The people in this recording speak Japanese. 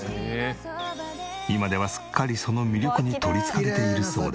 今ではすっかりその魅力に取り憑かれているそうで。